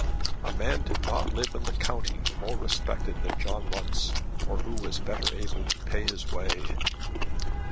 A man did not live in the county more respected than John Runce, or who was better able to pay his way.